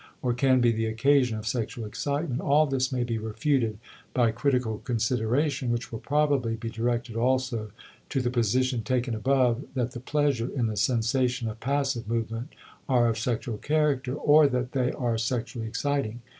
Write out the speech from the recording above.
or can be the occasion of sexual excitement; all this may be refuted by critical consideration, which will probably be directed also to the position taken above that the pleasure in the sensations of passive movement are of sexual character or that they are sexually exciting.